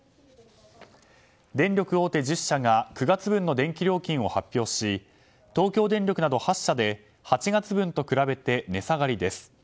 電力大手１０社が９月分の電気料金を発表し東京電力など８社で８月分と比べて値下がりです。